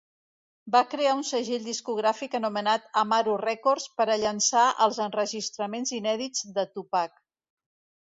Va crear un segell discogràfic anomenat Amaru Rècords per a llançar els enregistraments inèdits de Tupac.